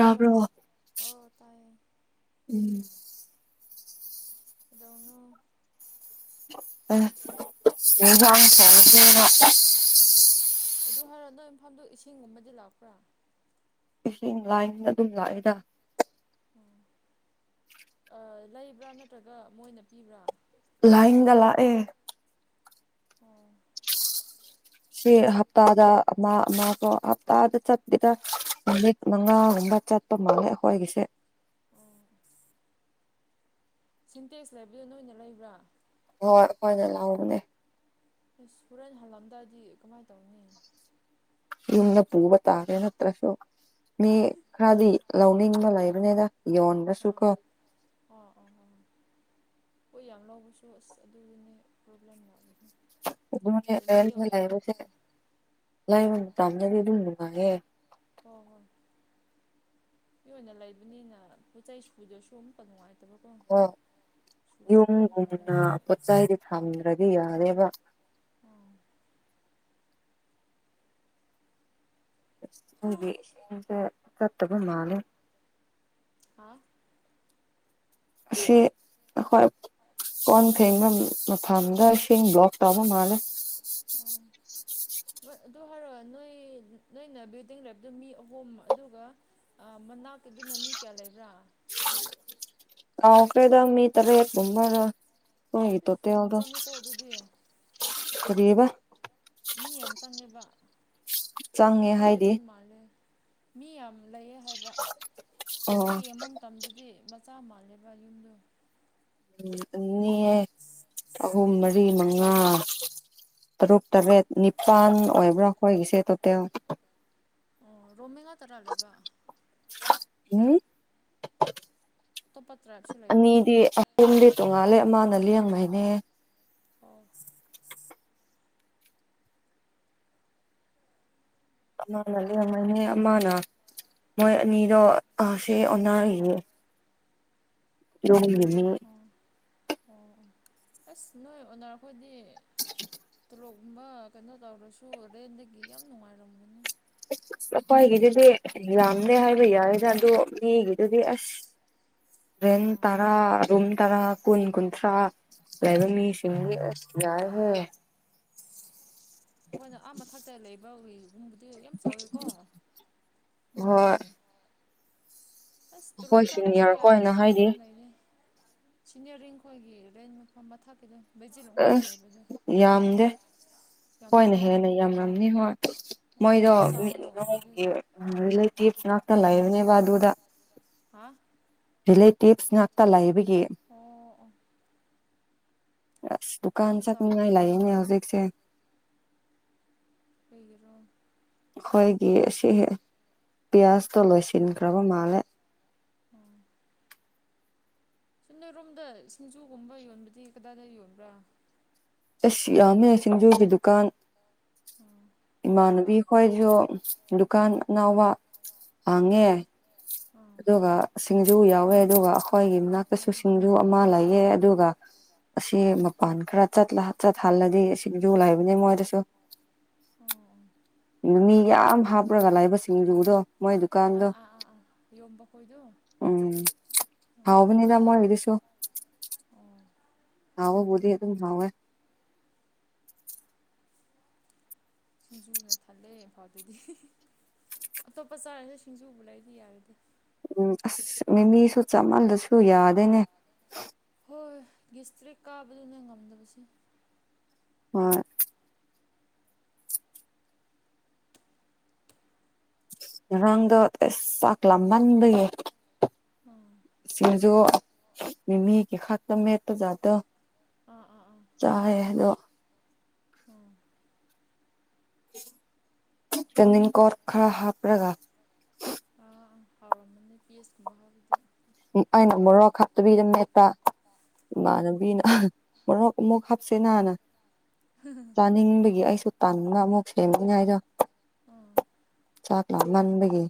hello ꯑꯧ ꯇꯥꯏꯌꯦ ꯎꯝ ꯀꯩꯗꯧꯔꯅ‌ꯣ [unintelligible] ꯏꯟꯖꯥꯡ ꯊ‌ꯣꯡꯁ‌ꯦꯅꯥ ꯑꯗꯨ ꯍꯥꯏꯔ ꯅ‌ꯣꯏ ꯏꯝꯐꯥꯟꯗ‌ꯣ ꯏꯁꯤꯡꯒꯨꯝꯕꯗꯤ ꯂꯥꯛꯄ꯭ꯔꯥ ꯏꯁꯤꯡ ꯂꯥꯏꯅ ꯑꯗꯨꯝ ꯂꯥꯛꯏꯗꯥ ꯑꯣ ꯑꯥ ꯂꯩꯕ꯭ꯔꯥ ꯅꯠꯇ꯭ꯔꯒ ꯃꯣꯏꯅ ꯄꯤꯕ꯭ꯔꯥ ꯂꯥꯏꯟꯗ ꯂꯥꯛꯑꯦ ꯑꯣ ꯁꯤ ꯍꯞꯇꯥꯗ ꯑꯃꯥ ꯑꯃꯥ ꯀ‌ꯣ ꯍꯞꯇꯥꯗ ꯆꯠꯄꯦꯗ ꯅꯨꯃꯤꯠ ꯃꯉꯥꯒꯨꯝꯕ ꯆꯠ ꯄ ꯃꯥꯜꯂꯦ ꯑꯩꯈꯣꯏꯒꯤꯁꯦ ꯑꯣ ꯁꯤꯟꯇꯦꯛꯁ ꯂꯩꯕꯗꯨ ꯅꯣꯏꯅ ꯂꯩꯕ꯭ꯔꯥ ꯍꯣꯏ ꯍꯣꯏꯅ ꯂꯥꯛꯕꯅꯦ ꯍꯣꯔꯦꯟ ꯍꯜꯂꯝꯗꯥꯗꯤ ꯀꯃꯥꯏꯅ ꯇꯧꯅꯤ ꯌꯨꯝꯅ ꯄꯨꯕ ꯇꯥꯔꯦ ꯅ ꯇ꯭ꯔꯁꯨ ꯃꯤ ꯈꯔꯗꯤ ꯂꯧꯅꯤꯡꯕ ꯂꯩꯕꯅꯤꯗ ꯌꯣꯟꯕꯁꯨ ꯑꯥ ꯀꯣ ꯑꯣ ꯑꯣ ꯑꯣ ꯍꯣꯏ ꯌꯥꯝ ꯂꯧꯕꯁꯨ ꯑꯁ ꯑꯗꯨꯒꯤꯅꯤ ꯄ꯭ꯔꯣꯕ꯭ꯂꯦꯝ ꯂꯥꯛꯕꯁ ꯑꯗꯨ ꯂꯥꯏꯕꯁꯦ ꯂꯥꯏꯕ ꯎꯝ ꯇꯥꯟꯗꯗꯤ ꯑꯗꯨꯝ ꯅꯨꯡꯉꯥꯏꯌꯦ ꯍꯣꯏ ꯍꯣꯏ ꯑꯩ ꯑꯣꯏꯅ ꯂꯩꯕꯅꯤꯅ ꯄꯣꯠꯆꯩ ꯁꯨꯗ ꯁꯨꯝ ꯑꯄ ꯅꯨꯡꯉꯥꯏꯇꯕꯀꯣ ꯀꯣ ꯁꯨꯔꯁꯨ ꯍꯣꯔꯦꯟ ꯍꯪꯅꯤꯡꯉꯥꯏꯕ ꯊ꯭ꯔꯗꯤ ꯌꯥꯗꯦꯕ ꯀꯠꯇꯕ ꯃꯥꯅꯦ ꯍꯥꯥ ꯑꯁꯤ ꯍꯣꯏ ꯀꯣꯟ ꯊꯦꯡꯅ ꯃꯐꯝꯗ ꯏꯁꯤꯡ ꯕ꯭ꯂꯣꯛ ꯇꯧꯕ ꯃꯥꯜꯂꯦ ꯑꯝ ꯑꯗꯨ ꯍꯥꯏꯔꯛꯑꯣ ꯅꯣꯏ ꯅꯣꯏꯅ ꯕ꯭ꯌꯨꯗꯤꯡ ꯂꯩꯕꯗꯨ ꯃꯤ ꯑꯍꯨꯝ ꯑꯗꯨꯒ ꯃꯅꯥꯛꯀꯤꯗꯨꯅ ꯃꯤ ꯀꯌꯥ ꯂꯩꯕ꯭ꯔꯥ ꯑ ꯀꯩꯗ ꯃꯤ ꯇꯔꯦ ꯃꯔ ꯍ ꯏꯁ ꯇꯠꯇꯦ ꯌꯥꯝ ꯌꯥꯗꯣ ꯆꯪꯉꯦꯀꯣ ꯑꯗꯨꯗꯤ ꯈꯨꯔꯤꯕ ꯃꯤ ꯌꯥꯝ ꯆꯪꯉꯦꯕ ꯌꯥꯝ ꯆꯪꯉꯦ ꯍꯥꯏꯗꯤ ꯄꯤꯛꯄꯗꯤ ꯃꯥꯜꯂꯦ ꯃꯤ ꯌꯥꯝ ꯂꯩꯌꯦ ꯍꯥꯏꯕ ꯑꯣ ꯍꯦꯛ ꯌꯦꯡꯕ ꯃꯇꯝꯗꯗꯤ ꯃꯆꯥ ꯃꯥꯜꯂꯦꯕ ꯌꯨꯝꯗꯣ ꯑꯅꯤ ꯑꯍꯨꯝ ꯃꯔꯤ ꯃꯉꯥ ꯇꯔꯨꯛ ꯇꯔꯦꯠ ꯅꯤꯄꯥꯜ ꯑꯣꯏꯕ꯭ꯔꯥ ꯑꯩꯈꯣꯏꯒꯤꯁꯦ ꯇꯣꯇꯦꯜ ꯑꯣ ꯔꯣꯃꯦꯒ ꯇꯔꯥ ꯂꯩꯕ ꯎꯝ ꯑꯇꯣꯞꯄ ꯇ꯭ꯔꯥꯏꯞꯁꯨ ꯂꯩꯕ꯭ꯔꯥ ꯑꯅꯤꯗꯤ ꯄꯨꯝꯗꯤ ꯇꯣꯡꯉꯥꯜꯂꯦ ꯑꯃꯅ ꯂꯦꯡꯃꯩꯅꯦ ꯑꯣ ꯑꯃꯅ ꯂꯩꯔꯝꯃꯅꯦ ꯑꯃꯅ ꯃꯣꯏ ꯑꯅꯤꯗꯣ ꯁꯤ ꯑꯣꯅꯥꯔꯤꯌꯦ [unintelligible] ꯑꯣ ꯑꯣ ꯑꯁ ꯅꯣꯏ ꯑꯣꯅꯔ ꯈꯣꯏꯗꯤ ꯇꯂꯣꯞꯒꯨꯝꯕ ꯀꯩꯅꯣ ꯇꯧꯔꯁꯨ ꯔꯦꯟꯗꯒꯤ ꯌꯥꯝ ꯅꯨꯡꯉꯥꯏꯔꯝꯒꯅꯤ ꯑꯁ ꯑꯩꯈꯣꯏꯒꯤꯗꯨꯗꯤ ꯌꯥꯝꯗꯦ ꯍꯥꯏꯕ ꯌꯥꯔꯦꯗ ꯑꯗꯣ ꯃꯤꯒꯤꯗꯨꯗꯤ ꯑꯁ ꯔꯦꯟ ꯑꯥ ꯇꯔꯥ ꯔꯨꯝ ꯇꯔꯥ ꯀꯨꯟ ꯀꯨꯟꯊ꯭ꯔꯥ ꯂꯩꯕ ꯃꯤꯁꯤꯡ ꯌꯥꯔꯣꯏ ꯑꯩꯈꯣꯏꯅ ꯑꯥ ꯃꯊꯛꯇ ꯂꯩꯕ ꯎꯨꯡꯗꯨꯗꯤ ꯌꯥꯝ ꯆꯥꯎꯋꯤꯀꯣ ꯍꯣꯏ ꯃꯣꯏꯗꯨꯗꯤ ꯑꯁ ꯇꯣꯂꯣꯞ ꯑꯩꯈꯣꯏ ꯆꯂꯥꯁꯨ ꯁꯤꯅꯤꯌꯔ ꯌꯥꯏꯗ ꯈꯣꯏꯅ ꯁꯤꯗ ꯍꯥꯏꯗꯤ ꯂꯝ ꯂꯩꯔꯦ ꯁꯤꯅꯤꯌꯔꯤꯡ ꯑꯩꯈꯣꯏꯒꯤ ꯔꯦꯟ ꯃꯐꯝ ꯃꯊꯛꯀꯤꯗ ꯕꯦꯖꯤꯂꯈꯣꯏꯅ ꯑꯁ ꯂꯩꯕꯗ ꯌꯥꯝꯗꯦ ꯍꯣꯏꯅ ꯍꯦꯟꯅ ꯌꯥꯝꯂꯝꯅꯤ ꯍꯣꯏ ꯑꯣ ꯃꯣꯏꯗꯣ ꯌꯥꯝ ꯆꯥꯎꯅ ꯅꯒꯤ ꯎꯕꯗꯨꯒꯤ ꯑ ꯂꯩꯇꯤꯞꯁ ꯂꯅꯥꯥꯛꯇꯂ ꯂꯩꯅꯦꯕ ꯍꯥꯥ ꯔꯤꯂꯦꯇꯤꯞꯁ ꯉꯥꯛꯇ ꯂꯥꯛꯕꯒꯤ ꯑꯣ ꯑꯣ ꯑꯁ ꯗꯨꯀꯥꯟ ꯌꯥꯝ ꯆꯠꯅꯤꯉꯥꯏ ꯆꯥꯎꯅꯗꯤ ꯎꯋꯦ ꯂꯌꯦꯅꯦ ꯍꯧꯖꯤꯛꯁꯦ ꯀꯩꯒꯤꯔꯣ ꯑꯩꯈꯣꯏꯒꯤ ꯁꯤ ꯄꯤꯌꯥꯁꯇꯣ ꯂꯣꯏꯁꯤꯟꯈ꯭ꯔꯕ ꯃꯥꯜꯂꯦ ꯎꯝ ꯁꯗꯔꯣꯝꯗ ꯁꯤꯡꯖꯨꯒꯨꯝꯕ ꯌꯣꯟꯕꯗꯤ ꯀꯗꯥꯏꯗ ꯌꯣꯟꯕ꯭ꯔꯥ ꯑꯁ ꯌꯥꯝꯃꯦ ꯁꯤꯡꯖꯨꯒꯤ ꯗꯨꯀꯥꯟ ꯑꯣ ꯐꯕ꯭ꯔꯥ ꯏꯃꯥꯟꯅꯕꯤ ꯈꯣꯏꯁꯨ ꯗꯨꯀꯥꯟ ꯑꯅꯥꯕ ꯍꯥꯡꯉꯦ ꯑꯥ ꯑꯗꯨꯒ ꯁꯤꯡꯖꯨ ꯌꯥꯎꯋꯦ ꯑꯗꯨꯒ ꯑꯩꯈꯣꯏꯒꯤ ꯃꯅꯥꯛꯇꯁꯨ ꯑꯣ ꯁꯤꯡꯖꯨ ꯑꯃ ꯂꯩꯑꯦ ꯑꯗꯨꯒ ꯑꯁꯤ ꯃꯄꯥꯟ ꯈꯔ ꯆꯠꯂ ꯆꯠꯍꯜꯂꯗꯤ ꯁꯤꯡ ꯌꯨ ꯂꯥꯏꯕꯅꯤ ꯃꯣꯏꯗꯁꯨ ꯑꯣ ꯑꯣ ꯃꯤ ꯌꯥꯝ ꯍꯥꯞꯄꯒ ꯂꯥꯏꯕ ꯁꯤꯡꯖꯨꯗꯣ ꯃꯣꯏꯗꯨ ꯀꯥꯟꯗ ꯑꯥ ꯑꯥ ꯑꯥ ꯑꯥ ꯌꯣꯟꯕ ꯈꯣꯏꯗꯣ ꯎꯝ ꯍꯥꯎꯕꯅꯤꯗ ꯃꯣꯏ ꯏꯗꯤꯁꯨ ꯑꯣ ꯍꯥꯎꯕꯕꯣꯗꯤ ꯑꯗꯨꯝ ꯊꯑꯣꯏ ꯁꯤꯡꯖꯨꯅ ꯊꯜꯂꯦ ꯐꯥꯎꯗꯗꯤ ꯑꯇꯣꯞꯄ ꯆꯥꯔꯁꯨ ꯁꯤꯡꯖꯨ ꯎꯕ ꯂꯩꯗꯤ ꯌꯥꯔꯗꯤ ꯎꯝ ꯑꯁ ꯃꯤꯃꯤꯁꯨ ꯆꯥꯃꯜꯂꯁꯨ ꯌꯥꯗꯦꯅꯦ ꯍꯣꯏ ꯍꯣꯏ ꯒꯤꯁꯇ꯭ꯔꯤ ꯀꯥꯕꯗꯨꯅ ꯉꯝꯗꯕꯕꯁꯤ ꯍꯣꯏ ꯉꯔꯪꯗꫭ ꯑꯦ ꯆꯥꯛ ꯂꯝꯃꯟꯕꯒꯤ ꯑꯥ ꯆꯁꯤꯡꯖꯣ ꯃꯤꯃꯤꯒꯤ ꯈꯠꯇ ꯃꯤꯄꯖꯗꫭ ꯑꯥ ꯑꯥ ꯑꯥ ꯆꯥꯔꯦ ꯑꯗꯣ ꯎꯝ ꯇꯅꯤ ꯀꯔ ꯈꯥ ꯍꯥꯄꯔꯒ ꯑꯥ ꯑ ꯍꯥꯎꯝꯃꯦ ꯑ ꯐꯤ ꯑꯦꯁ ꯀꯨꯝꯕꯥꯕꯗ ꯑꯩꯅ ꯃꯣꯔꯣꯛ ꯈꯞꯇꯕꯤꯗ ꯃꯦꯠꯄ ꯑꯥ ꯏꯃꯥꯟꯅꯕꯤꯅ ꯃꫭꯔꯛ ꯃꯛ ꯍꯥꯞꯁꯤꯅ [unintelligible] ꯆꯥꯅꯤꯡꯕꯒꯤ ꯑꯩꯁꯨ ꯇꯥꯅꯤꯡꯕ ꯑꯃꯨꯛ ꯁꯦꯝꯒꯅꯦ ꯍꯥꯏꯗꯣ ꯑꯥ ꯆꯥꯛꯂꯠ ꯃꯕꯒꯤ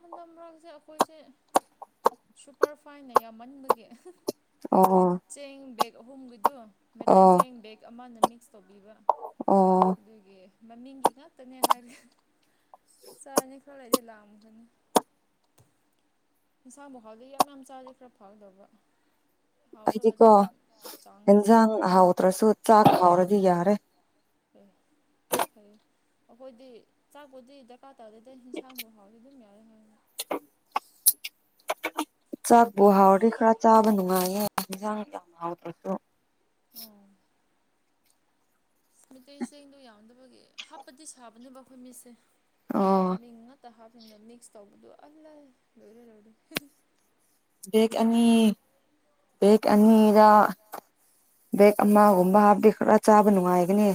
ꯍꯟꯗꯃꯥꯔꯛꯁ ꯑꯩꯈꯣꯏꯁꯦ ꯁꯨꯄꯔ ꯐꯥꯏꯟꯅ ꯌꯥꯝꯃꯟꯕꯒꯤ ꯑꯣ ꯑꯣ ꯆꯦꯡ ꯕꯦꯛ ꯑꯍꯨꯝꯒꯤꯗꯨ ꯃꯩꯇꯩ ꯆꯦꯡ ꯕꯦꯛ ꯑꯃꯅ ꯃꯤꯛꯁ ꯇꯧꯕꯤꯕ ꯑꯣ ꯑꯗꯨꯒꯤ ꯃꯃꯤꯡꯒꯤ ꯉꯥꯛꯇꯅꯦ ꯍꯥꯏꯔꯦ ꯆꯔꯅꯤ ꯈꯔ ꯂꯩꯗꯤ ꯂꯥꯛꯑꯝꯒꯅꯤ ꯏꯟꯁꯥꯕꯨ ꯐꯥꯎꯗꯤ ꯌꯥꯝ ꯌꯥꯝ ꯆꯥꯔꯤ ꯈꯔ ꯐꯥꯎꯗꯕ ꯑꯩꯗꯤꯀꯣ ꯆꯥꯡꯗ ꯏꯟꯖꯥꯡ ꯆꯥꯕꯅꯤꯅ ꯍꯥꯎꯗ꯭ꯔꯁꯨ ꯆꯥꯛ ꯍꯥꯎꯔꯗꯤ ꯌꯥꯔꯦ ꯐ ꯌꯥꯝ ꯐꯩꯌꯦ ꯑꯩꯈꯣꯏꯗꯤ ꯆꯥꯛꯄꯗꯤ ꯗ ꯆꯄꯥꯥ ꯇꯧꯗ ꯏꯟꯁꯥꯡꯕꯨꯎ ꯍꯥꯎꯗꯤ ꯑꯗꯨꯝ ꯌꯥꯎꯔꯦ ꯍꯥꯏꯅ ꯆꯥꯛꯄ ꯍꯥꯎꯗꯤ ꯈꯔ ꯆꯥꯕ ꯅꯨꯡꯉꯥꯏꯌꯦ ꯍꯟꯖꯥꯡ ꯌꯥꯝ ꯍꯥꯎꯗ꯭ꯔꯁꯨ ꯑꫭ ꯑ ꯃꯤꯇꯩ ꯆꯦꯡꯗꯣ ꯌꯥꯝꯎꯗꯕꯒꯤ ꯍꯥꯞꯄꯗꯤ ꯁꯥꯕꯅꯦꯕ ꯑꯩꯈꯣꯏ ꯃꯤꯠꯁꯦ ꯑꯣ ꯃꯃꯤꯡ ꯍꯠꯇ ꯍꯥꯞꯄꯤꯗ ꯃꯤꯛꯁ ꯇꯧꯕꯗꯨ ꯑꯜ ꯂꯣꯏꯔꯦ ꯂꯣꯏꯔꯦ ꯕꯒ ꯑꯅꯤ ꯕꯒ ꯑꯅꯤ ꯑꯣꯖꯥ ꯕꯦꯛ ꯑꯃꯒꯨꯝꯕ ꯍꯥꯞꯇ ꯈꯔ ꯆꯥꯕ ꯅꯨꯡꯉꯥꯏꯒꯅꯤ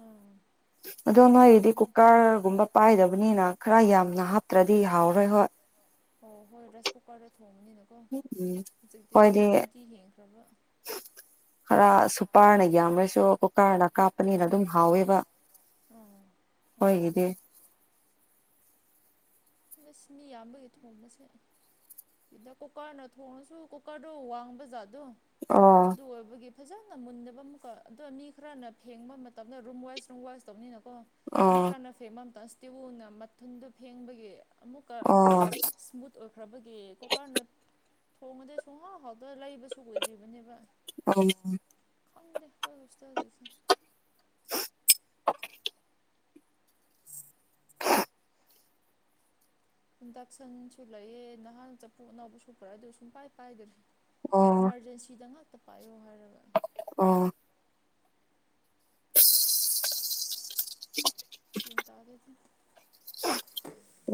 ꯑꯥ ꯑꯗꯨ ꯅꫭꯏꯗꯤ ꯑꯍꯨꯝ ꯀꯨꯀꯔꯒꯨꯝꯕ ꯄꯥꯏꯗꯕꯅꯤꯅ ꯈꯔ ꯌꯥꯝꯅ ꯍꯥꯞꯇ꯭ꯔꯗꯤ ꯍꯥꯎꯔꯣꯏ ꯍꯣꯏ ꯑꯣ ꯍꯣꯏ ꯔꯥꯏꯁ ꯀꯨꯀꯔꯗ ꯊꯣꯡꯕꯅꯤꯅꯀꯣ ꯎꯝ ꯍꯧꯖꯤꯛꯇꯤ ꯃꯤ ꯍꯣꯏꯗꯤ ꯇ꯭ꯋꯦꯟꯇꯤ ꯌꯦꯡꯈ꯭ꯔꯕ ꯈꯔ ꯁꯨꯄꯥꯔꯅ ꯌꯥꯝꯔꯁꯨ ꯀꯨꯀꯥꯔꯅ ꯀꯥꯞꯄꯅꯤꯅ ꯑꯗꯨꯝ ꯍꯥꯎꯋꯦꯕ ꯑꫭ ꯍꯣꯏꯒꯤꯗꯤ ꯑꯁ ꯃꯤ ꯌꯥꯝꯕꯒꯤ ꯊꯨꯍꯣꯕꯁꯦ ꯁꯤꯗ ꯀꯨꯀꯥꯔꯅ ꯊꯣꯡꯉꯁꯨ ꯀꯨꯀꯥꯔꯗꯣ ꯋꯥꯡꯕ ꯖꯥꯠꯗꯣ ꯑꯣ ꯑꯗꯨ ꯑꯣꯏꯕꯒꯤ ꯐꯖꯅ ꯃꯨꯟꯗꯕ ꯑꯃꯨꯛꯀ ꯑꯗꯣ ꯃꯤ ꯈꯔꯅ ꯐꯦꯡꯕ ꯃꯇꯝꯗ ꯔꯨꯝ ꯋꯥꯏꯁ ꯔꯨꯝ ꯋꯥꯏꯁ ꯇꯧꯅꯤꯅꯀꯣ ꯃꯤ ꯑꯣ ꯐꯔꯅ ꯐꯦꯡꯕ ꯃꯇꯝꯇ ꯏꯁꯇꯤꯋꯨꯅ ꯃꯊꯟꯗꯨ ꯐꯦꯡꯕꯒꯤ ꯑꯃꯨꯛꯀ ꯑꯣ ꯏꯁꯃꯨꯠ ꯑꯣꯏꯈ꯭ꯔꯕꯒꯤ ꯀꯨꯀꯔꯅ ꯊꯣꯡꯉꯗꯤ ꯁꯣꯡꯍꯥꯎ ꯍꯥꯎꯗ ꯂꯩꯕꯁꯨ ꯑꯣꯏꯗ꯭ꯔꯤꯕꯅꯦꯕ ꯑꯥꯎ ꯎꯝ ꯈꯪꯗꯦ ꯑꯩꯈꫭꯏ ꯍꫭꯁꯇꯦꯜ [unintelligible] ꯏꯟꯗꯛꯁꯟꯁꯨ ꯂꯩꯌꯦ ꯅꯍꯥꯟ ꯆꯐꯨ ꯑꯅꯧꯕꯥꯁꯨ ꯄꯨꯔꯛꯑꯦ ꯑꯗꯨ ꯁꯨꯡ ꯄꯥꯏ ꯄꯥꯏꯗꯥꯔꯤ ꯑꯣ ꯏꯃꯥꯔꯖꯦꯟꯁꯤꯗ ꯉꯥꯛꯇ ꯄꯥꯏꯌꯣ ꯍꯥꯏꯔꯒ ꯑꯣ [inaudible] ꯒꯌ꯭ꯥꯟꯇꯥꯗꯦꯗꯤ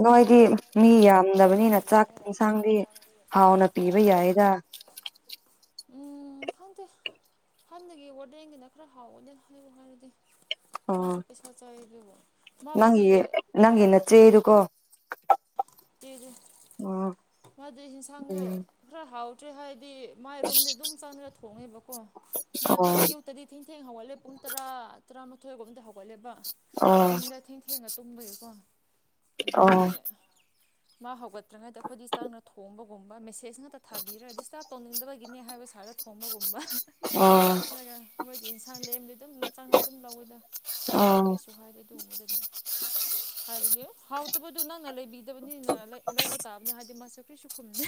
ꯅꯣꯏꯗꯤ ꯃꯤ ꯌꯥꯝꯗꯕꯅꯤꯅ ꯆꯥꯛ ꯏꯟꯁꯥꯡꯗꯤ ꯍꯥꯎꯅ ꯄꯤꯕ ꯌꯥꯏꯗ [inaudible] ꯎꯝ ꯈꯪꯗꯦ ꯍꯟꯅꯒꯤ ꯋꯥꯔꯗꯦꯟꯒꯤꯅ ꯈꯔ ꯍꯥꯎꯋꯅꯦ ꯍꯥꯏꯌꯨ ꯍꯥꯏꯔꯗꯤ ꯑꯣ ꯃꯥꯁꯨ ꯄꯩꯁꯥ ꯆꯥꯏ ꯑꯗꯨꯕꯨ ꯅꯪꯒꯤ ꯃꯥꯕꯨꯗꯤ ꯅꯪꯒꯤ ꯅꯆꯦꯗꯨꯀꯣ ꯑꯣ [unintelligible] ꯃꯥꯗꯤ ꯌꯦꯟꯁꯥꯡꯗꯣ ꯎꯝ ꯈꯔ ꯍꯥꯎꯇ꯭ꯔꯦ ꯍꯥꯏꯔꯗꯤ ꯃꯥꯥꯏ ꯔꯨꯝꯗꯤ ꯑꯗꯨꯝ ꯆꯪꯉꯒꯥ ꯊꯣꯡꯅꯦꯕꯀꯣ ꯃꯥꯗꯤ ꯑꯣ ꯑꯌꯨꯛꯇꯗꯤ ꯊꯦꯡ ꯊꯦꯡ ꯍꯧꯒꯠꯂꯦ ꯄꯨꯡ ꯇꯔꯥ ꯇꯔꯥꯃꯥꯊꯣꯏꯒꯨꯝꯕꯗ ꯍꯧꯒꯠꯂꯦꯕ ꯑꯣ ꯑꯍꯤꯡꯗ ꯊꯦꯡ ꯊꯦꯡꯅ ꯇꯨꯝꯕꯒꯤꯀꯣ ꯑꯣ ꯑꯗꯨꯒꯤ ꯃꯥ ꯍꯧꯒꯠꯇ꯭ꯔꯤꯉꯩꯗ ꯑꯩꯈꯣꯏꯗꯤ ꯆꯥꯡꯉꯒ ꯊꯣꯡꯕꯒꯨꯝꯕ ꯃꯦꯁꯦꯖ ꯉꯥꯛꯇ ꯊꯥꯕꯤꯔ ꯗꯤꯁꯇꯥꯔꯕ ꯇꯧꯅꯤꯡꯗꯕꯒꯤ ꯀꯤꯅꯦ ꯍꯥꯏꯕ ꯁꯔꯥ ꯊꯣꯡ ꯊꯣꯝꯕꯒꯨꯝꯕ ꯑꯣ ꯅꫭꯏꯒ ꯅꯣꯏꯒꯤ ꯏꯟꯁꯥꯡ ꯂꯦꯝꯗꯤ ꯑꯗꯨꯝ ꯆꯪꯉꯒꯥ ꯑꯗꯨꯝ ꯂꯧꯋꯤꯗ ꯃꯥꯗꯤ ꯑꯣ ꯀꯩꯁꯨ ꯍꯥꯏꯗꯦ ꯑꯗꯨꯒꯨꯝꯕꯗꯨꯗꯤ ꯍꯥꯏꯔꯤꯗꯤ ꯍꯥꯎꯇꯕꯗꯨ ꯅꯪꯅ ꯂꯩꯕꯤ ꯇꯕꯅꯤꯅ ꯂꯩ ꯂꯧꯕ ꯇꯥꯕꯅꯤ ꯍꯥꯏꯗꯤ ꯃꯁꯛ ꯀꯔꯤꯁꯨ ꯈꯨꯝꯗꯦ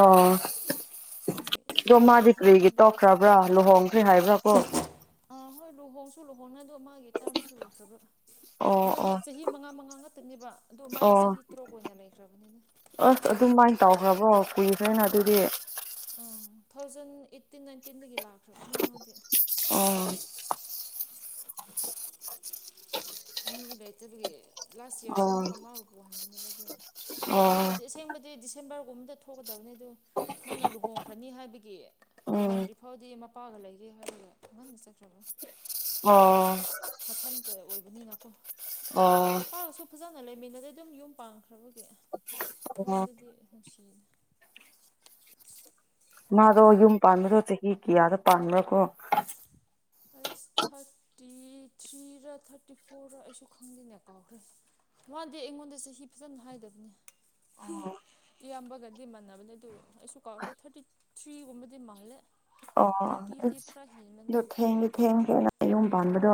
ꯑꯣ ꯑꯗꯣ ꯆꯥꯕꯗ ꯃꯥꯗꯤ ꯀꯔꯤꯒꯤ ꯊꯛꯄꯗꯗꯤ ꯇꯣꯈ꯭ꯔꯕ꯭ꯔꯥ ꯂꯨꯍꯣꯡꯈ꯭ꯔꯦ ꯍꯥꯏꯕ꯭ꯔꯥ ꯀꯣ ꯑꯥ ꯍꯣꯏ ꯂꯨꯍꯣꯡꯁꯨ ꯂꯨꯍꯣꯡꯅ ꯑꯗꯣ ꯃꯥꯒꯤ ꯇꯔꯝꯁꯨ ꯂꫭꯏꯈ꯭ꯔꯕ ꯑꯣ ꯃꯥꯗꯨ ꯑꯣ ꯆꯍꯤ ꯃꯉꯥ ꯃꯉꯥ ꯉꯥꯛꯇꯥꯅꯦꯕ ꯑꯗꯣ ꯃꯥꯗꯤ ꯆꯍꯤ ꯇꯔꯨꯛ ꯑꯣꯏꯅ ꯂꯩꯈ꯭ꯔꯕꯅꯤꯅ‌ ꯑꯣ ꯑꯗꯨꯃꯥꯏꯅ ꯇꯧꯈ꯭ꯔꯕꯣ ꯀꯨꯏꯈ꯭ꯔ‌ꯦꯅ ꯑꯗꯨꯗꯤ ꯎꯝ ꯊꯥꯎꯖꯟ ꯑꯩꯠꯇꯤꯟ ꯅꯥꯏꯟꯇꯤꯟ ꯗꯒꯤ ꯂꯥꯛꯈ꯭ꯔꯕꯅ‌ꯦ ꯃꯥꯗꯤ ꯑꯣ ꯃꯤ ꯂꯩꯇꯕꯒꯤ ꯂꯥꯁ ꯏꯌꯥꯔꯁꯨ ꯑꯣ ꯑꯃꯨꯛꯀ ꯃꯥꯕꯨ ꯄꯨꯍꯟꯕꯥꯅꯦꯕ ꯑꯗꯨꯏ ꯑꯣ ꯃꯥꯗꫭ ꯑꯁꯦꯡꯕꯗꯤ ꯗꯤꯁꯦꯝꯕꯔ ꯒꯨꯝꯕꯗ ꯊꯣꯛꯀꯗꯕꯅꯦ ꯑꯗ‌ꯣ ꯃꯥꯅ ꯂꯨꯍꯣꯡꯈ꯭ꯔꯅꯤ ꯍꯥꯏꯕꯒꯤ ꯂꯨꯍꯣꯡꯗ꯭ꯔꯤ ꯐꯥꯎꯗꯤ ꯃꯄꯥꯒ ꯂꯩꯒꯦ ꯍꯥꯏꯔꯒ ꯉꯟꯅꯥ ꯆꯠꯈ꯭ꯔꯕꯥ [inaudible] ꯑꯣ ꯃꯊꯟꯇ ꯑꯣꯏꯕꯅꯤꯅ ꯀꯣ ꯑꯣ ꯃꯄꯥꯒꯁꯨ ꯐꯖꯅ ꯂꯩꯃꯤꯟꯅꯗꯦ ꯑꯗꯨꯝ ꯌꯨꯝ ꯄꯥꯡꯈ꯭ꯔꯕꯒꯤ ꯍꯣꯝꯗꯗꯤ ꯅꯨꯡꯁꯤꯅꯥ ꯃꯥꯗꯣ ꯌꯨꯝ ꯄꯥꯟꯕꯗꯣ ꯆꯍꯤ ꯀꯌꯥꯗ ꯄꯥꯟꯕ꯭ꯔꯥ ꯀꯣ ꯑꯩꯁ ꯊꯥꯔꯇꯤ ꯊ꯭ꯔꯤꯔ ꯊꯥꯔꯇꯤ ꯐꯣꯔꯔ ꯑꯩꯁꯨ ꯈꯪꯗꯦꯅꯦ ꯀꯥꯎꯔꯈ꯭ꯔꯦ ꯃꯥꯗꯤ ꯑꯩꯉꯣꯟꯗ ꯆꯍꯤ ꯐꯖꯅ ꯍꯥꯏꯗꯕꯅꯦ ꯑꯣ ꯏꯌꯥꯝꯕꯒꯗꯤ ꯃꯥꯟꯅꯕꯅꯦ ꯑꯗꯨ ꯑꯩꯁꯨ ꯀꯥꯎꯔꯈ꯭ꯔꯦ ꯊꯥꯔꯇꯤ ꯊ꯭ꯔꯤꯒꯨꯝꯕꯗꯤ ꯃꯥꯜꯂꯦ ꯑꯣ ꯊꯥꯔꯇꯤꯗꯤ ꯑꯁ ꯄꯨꯔꯥ ꯍꯦꯟꯕꯅꯦ ꯑꯗꯣ ꯊꯦꯡꯗꯤ ꯊꯦꯡꯈꯔꯗ ꯌꯨꯝ ꯄꯥꯟꯕꯗꯣ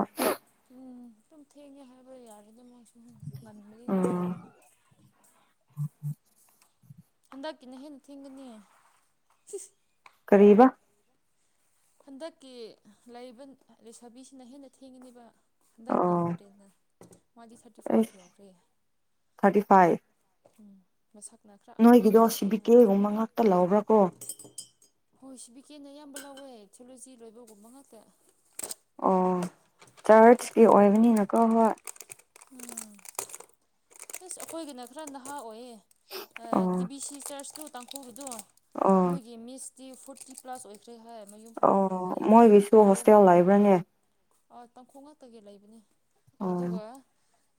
ꯎꯝ ꯑꯗꯨꯝ ꯊꯦꯡꯉꯦ ꯍꯥꯏꯕ ꯌꯥꯔꯦꯗꯥ ꯃꯣꯏ ꯁꯨꯝ ꯉꯟꯕꯗꯤ ꯅꯠꯇ꯭ꯔꯕꯅꯤ [inaudible] ꯍꯟꯗꯛꯀꯤꯅꯦ ꯍꯦꯟꯅ ꯊꯦꯡꯒꯅꯤ ꯀꯔꯤꯕꯥ ꯍꯟꯗꯛꯀꯤ ꯂꯩꯕꯥ ꯂꯩꯁꯥꯕꯤꯁꯤꯅ ꯍꯦꯟꯅ ꯊꯦꯡꯉꯅꯤꯕ ꯍꯟꯗꯛꯀꯤ ꯑꯣ ꯋꯥꯗꯦꯟꯅ ꯃꯥꯗꯤ ꯊꯥꯔꯇꯤ ꯐꯥꯏꯚ ꯑꯩꯁ ꯌꯥꯎꯈ꯭ꯔꯦ ꯊꯥꯔꯇꯤ ꯐꯥꯏꯚ ꯎꯝ ꯃꯁꯛꯅ ꯈꯔ ꯑꯉꯥꯡ ꯅꯣꯏꯒꯤꯗꯣ ꯁꯤ ꯁꯥꯖꯕ ꯕꯤ ꯃꯥꯗꫭ ꯀꯦꯒꯨꯝꯕ ꯉꯥꯛꯇ ꯂꯧꯕ꯭ꯔꯥ ꯀꯣ ꯍꯣꯏ ꯁꯤ ꯕꯤꯀꯦꯗ ꯑꯌꯥꯝꯕ ꯂꯧꯋꯦ ꯊꯣꯂꯣꯖꯤ ꯂꯣꯏꯕꯒꯨꯝꯕ ꯉꯥꯛꯇ ꯑꯣ ꯆꯔꯆꯀꯤ ꯑꯣꯏꯕꯅꯤꯅꯀꯣ ꯍꯣꯏ ꯎꯝ ꯑꯁ ꯑꯩꯈꯣꯏꯒꯤꯅ ꯈꯔ ꯅꯍꯥ ꯑꯣꯏꯌꯦ ꯑꯣ ꯇꯤ ꯕꯤ ꯁꯤ ꯆꯔꯆꯇꯣ ꯇꯥꯡꯈꯨꯜ ꯒꯤꯗꯣ ꯑꯣ ꯃꯣꯏꯒꯤ ꯃꯤꯁꯇꯤ ꯐꯣꯔꯇꯤ ꯄꯂ꯭ ꯁ ꯑꯣꯏꯈ꯭ꯔꯦ ꯍꯥꯏ ꯃꯌꯨꯝ ꯑꯣ ꯄꯥꯜꯂꯔꯣꯏ ꯍꯥꯏꯌꯦ ꯃꯣꯏꯒꯤꯁꯨ ꯑꯗꯨ ꯍꯣꯁꯇꯦꯜ ꯂꯩꯕ꯭ꯔꯥꯅꯦ ꯑꯣ ꯇꯥꯡꯈꯨꯜ ꯉꯥꯛꯇꯒꯤ ꯂꯩꯕꯅꯤ ꯑꯣ ꯑꯗꯨꯒ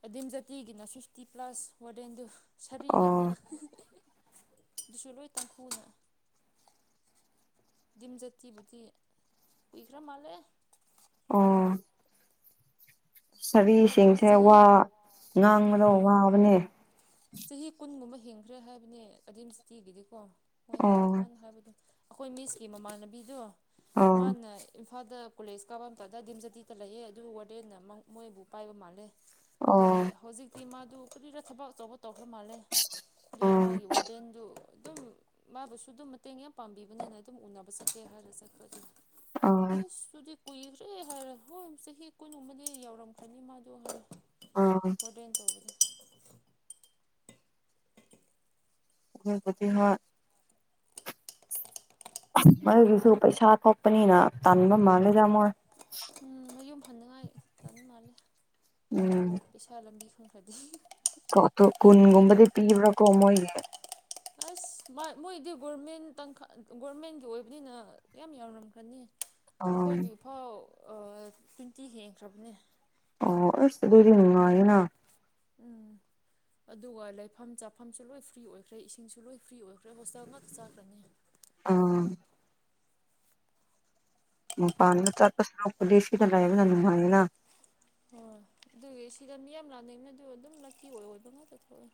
ꯑꯗꯤꯝ ꯖꯥꯇꯤꯒꯤꯅ ꯐꯤꯐꯇꯤ ꯄ꯭ꯂꯁ ꯋꯥꯔꯗꯦꯟꯗꯨ ꯁꯔꯤ ꯉꯥꯛꯇ ꯑꯣ ꯑꯗꯨꯁꯨ ꯂꯣꯏ ꯇꯥꯡꯈꯨꯜ ꯗꯤꯝ ꯖꯥꯇꯤꯕꯨꯗꯤ ꯀꯨꯏꯈ꯭ꯔꯥ ꯃꯥꯜꯂꯦ ꯑꯣ ꯁꯕꯤ ꯃꯥꯗꯨ ꯁꯤꯡꯁꯦ ꯆꯍꯤ ꯋꯥ ꯉꯥꯡꯕꯗ ꯑꯥ ꯋꯥꯕꯅꯦ ꯆꯍꯤ ꯀꯨꯟꯒꯨꯝꯕ ꯍꯦꯟꯈ꯭ꯔꯦ ꯍꯥꯏꯕꯅꯦ ꯑꯗꯤꯝ ꯖꯥꯇꯤ ꯒꯤꯗꯤꯀꯣ ꯃꯣꯏꯅ ꯑꯣ ꯅꯍꯥꯟ ꯍꯥꯏꯕꯗꯣ ꯑꯩꯈꯣꯏ ꯃꯤꯁꯀꯤ ꯃꯃꯥꯟꯅꯕꯤꯗꯣ ꯑꯣ ꯃꯥꯅ ꯏꯝꯐꯥꯜꯗ ꯀꯣꯂꯦꯖ ꯀꯥꯕ ꯃꯇꯝꯇꯗ ꯑꯦꯗꯤꯝ ꯖꯥꯇꯤꯗ ꯂꯩꯑꯦ ꯑꯗꯨ ꯋꯥꯔꯗꯦꯟꯅ ꯃꯣꯏꯕꯨ ꯄꯥꯏꯕ ꯃꯥꯜꯂꯦ ꯑꯣ ꯑꯗꯨꯒꯤ ꯍꯧꯖꯤꯛꯇꯤ ꯃꯥꯗꯨ ꯀꯔꯤꯔꯥ ꯊꯕꯛ ꯑꯆꯧꯕ ꯇꯧꯈ꯭ꯔ ꯃꯥꯜꯂꯦ ꯑꯗꯨꯏ ꯑꯣ ꯃꯥꯒꯤ ꯋꯥꯔꯗꯦꯟꯗꯨ ꯑꯗꯨꯝ ꯃꯥꯕꯨꯁꯨ ꯑꯗꯨꯝ ꯃꯇꯦꯡ ꯌꯥꯝ ꯄꯥꯡꯕꯤꯕꯅꯤꯅ ꯑꯗꯨꯝ ꯎꯅꯕ ꯆꯠꯀꯦ ꯍꯥꯏꯔꯒ ꯆꯠꯄ ꯑꯗꯨ ꯑꯣ ꯑꯁ ꯑꯗꯨꯗꯤ ꯀꯨꯏꯈ꯭ꯔꯦ ꯍꯥꯏꯔꯦ ꯍꯣꯏ ꯆꯍꯤ ꯀꯨꯟꯒꯨꯝꯕꯗꯤ ꯌꯥꯎꯔ ꯉꯝꯈꯔ꯭ꯅꯤ ꯃꯥꯗꯣ ꯑꯥ ꯍꯣꯔꯦꯟ ꯇꯧꯕꯒꯤ ꯑꯗꯨꯕꯨꯗꯤ ꯍꯣꯏ ꯃꯥꯒꯤꯁꯨ ꯄꯩꯁꯥ ꯊꯣꯛꯄꯅꯤꯅ ꯇꯟꯕ ꯃꯥꯜꯂꯦꯗ ꯃꯣꯏ ꯎꯝ ꯃꯌꯨꯝ ꯍꯟꯅꯤꯡꯉꯥꯏ ꯇꯥꯟꯕ ꯃꯥꯜꯂꯦ ꯎꯝ ꯄꯩꯁꯥ ꯂꯝꯕꯤ ꯈꯣꯡ ꯍꯥꯏꯗꯤ ꯀꯣ ꯀꯨꯟꯒꯨꯝꯕꯗꯤ ꯄꯤꯕ꯭ꯔꯥ ꯀꯣ ꯃꯣꯏꯒꯤ ꯑꯁ ꯃꯣꯏꯗꯤ ꯒꯣꯔꯃꯦꯟ ꯇꯈ ꯒꯣꯔꯃꯦꯟꯒꯤ ꯑꯣꯏꯕꯅꯤꯅ ꯌꯥꯝ ꯌꯥꯝꯃꯝꯈꯔ꯭ ꯅꯤ ꯑꯥ ꯑꯩꯈꯣꯏꯒꯤꯐꯥꯎ ꯇ꯭ꯋꯦꯟꯇꯤ ꯍꯦꯟꯈ꯭ꯔꯕꯅꯦ ꯑꯣ ꯑꯁ ꯑꯗꯨꯗꯤ ꯅꯨꯡꯉꯥꯏꯅ ꯎꯝ ꯑꯗꯨꯒ ꯂꯩꯐꯝ ꯆꯥꯐꯝꯁꯨ ꯂꯣꯏ ꯐ꯭ꯔꯤ ꯑꯣꯏꯈ꯭ꯔꯦ ꯏꯁꯤꯡꯁꯨ ꯂꯣꯏ ꯐ꯭ꯔꯤ ꯑꯣꯏꯈ꯭ꯔꯦ ꯍꯣꯁꯇꯦꯜ ꯉꯥꯛꯇ ꯆꯥꯛꯈ꯭ꯔꯅꯤ ꯑꯥ ꯃꯄꯥꯟꯗ ꯆꯠꯄ ꯁꯔꯨꯛꯄꯨꯗꯤ ꯁꯤꯗ ꯂꯩꯕꯅ ꯅꯨꯡꯉꯥꯏꯅ ꯍꯣꯏ ꯑꯗꯨꯒꯤ ꯁꯤꯗ ꯃꯤꯌꯥꯝ ꯂꯥꯟꯗꯅ ꯑꯗꯨ ꯑꯗꯨꯝ ꯂꯛꯀꯤ ꯑꯣꯏ ꯑꯣꯏꯕ ꯉꯥꯛꯇ ꯊꯣꯛꯑꯏ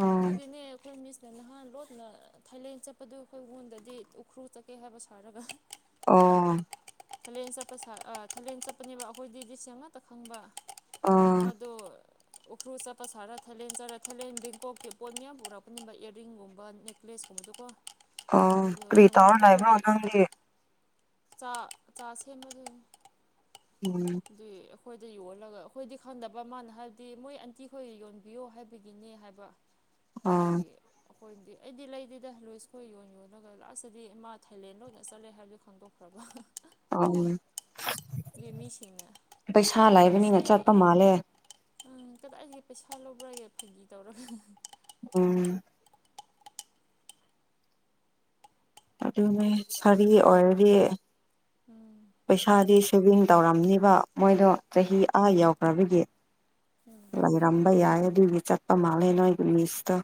ꯑꯥ ꯑꯗꯨꯒꯤꯅꯦ ꯑꯩꯈꯣꯏ ꯃꯤꯁ ꯑꯗ ꯅꯍꯥꯟ ꯂꯣꯠꯅ ꯊꯥꯏꯂꯦꯟ ꯆꯠꯄꯗꯨ ꯑꯩꯈꯣꯏꯋꯣꯟꯗꯗꯤ ꯎꯈ꯭ꯔꯨꯜ ꯆꯠꯀꯦ ꯍꯥꯏꯕ ꯁꯥꯔꯒ ꯑꯣ ꯊꯥꯏꯂꯦꯟ ꯆꯠꯄ ꯁꯥꯔ ꯊꯥꯂꯦꯟ ꯆꯠꯄꯅꯦꯕ ꯑꯩꯈꯣꯏꯗꯤ ꯗꯤꯁꯦꯝ ꯑꯃꯠꯇ ꯈꯪꯕ ꯑꯥ ꯃꯥꯥꯗꯨ ꯎꯈ꯭ꯔꯨꯜ ꯆꯠꯄ ꯁꯥꯔꯥ ꯊꯥꯏꯂꯦꯟ ꯆꯠꯂ ꯊꯥꯏꯂꯦꯟ ꯕꯦꯡꯀꯣꯛꯀꯤ ꯄꯣꯠ ꯃꯌꯥꯝ ꯄꯨꯔꯛꯄꯅꯦꯕ ꯏꯌꯥꯔꯤꯡꯒꯨꯝꯕ ꯅꯦꯛ ꯀꯂꯦꯖꯀꯨꯝꯕꯗꯣꯀꯣ ꯑꯥ ꯑꯗꯨꯒ ꯀꯔꯤ ꯇꯧꯔ ꯑꯩꯉꯣꯟꯗ ꯂꯩꯕ꯭ꯔꯣ ꯑꯩꯈꯣꯏꯗ ꯅꯪꯗꯤ ꯆꯥ ꯆꯥ ꯁꯦꯝꯕ ꯑꯗꯨꯏꯅꯤ ꯎꯝ ꯑꯗꯨꯏ ꯑꯩꯈꯣꯏꯗ ꯌꯣꯜꯂꯒ ꯑꯩꯈꯣꯏꯗꯤ ꯈꯪꯗꯕ ꯃꯥꯅ ꯍꯥꯏꯕꯗꯤ ꯃꯣꯏ ꯑꯟꯇꯤꯈꯣꯏ ꯌꯣꯟꯕꯤꯌꯣ ꯍꯥꯏꯕꯒꯤꯅꯦ ꯍꯥꯏꯕ ꯑꯥ ꯑꯗꯨꯒꯤ ꯑꯩꯈꯣꯏꯅꯗꯤ ꯑꯩꯗꯤ ꯂꯩꯗꯦꯗ ꯂꯣꯏꯁ ꯈꯣꯏ ꯌꯣꯟ ꯌꯣꯜꯂꯒ ꯂꯥꯁꯇꯗꯤ ꯃꯥꯥ ꯊꯥꯏꯂꯦꯟ ꯑꯣꯏꯅ ꯆꯠꯂꯦ ꯍꯥꯏꯕꯗꯨ ꯈꯪꯗꯣꯛ ꯍꯕ ꯑꯣ ꯃꯤꯁꯤꯡꯅ ꯃꯥꯁꯦ ꯆꯠꯄ ꯃꯥꯜꯂꯦ ꯎꯝ ꯀꯗꯥꯏꯒꯤ ꯄꯩꯁꯥ ꯂꯧꯕ꯭ꯔꯒ ꯐꯥꯒꯤ ꯇꯧꯔꯒ ꯎꯝ ꯑꯗꯨꯅꯦ ꯁꯔꯤ ꯑꯣꯏꯔꯗꯤ ꯎꯝ ꯄꯩꯁꯥꯗꯤ ꯁ꯭ꯋꯤꯚꯡ ꯇꯧꯔꯝꯅꯤꯕ ꯃꯣꯏꯗꯣ ꯆꯍꯤ ꯎꯝ ꯑ ꯌꯧꯈ꯭ꯔꯕꯗꯤ ꯎꯝ ꯔꯝꯕ ꯌꯥꯏ ꯑꯗꯨꯒꯤ ꯆꯠꯄ ꯃꯥꯜꯂꯦ ꯅꯣꯏꯒꯤ ꯃꯤꯁꯇꯣ